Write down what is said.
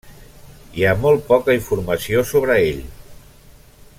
Hi ha molt poca informació sobre ell.